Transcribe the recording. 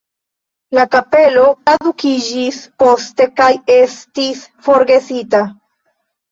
La kapelo kadukiĝis poste kaj estis forgesita.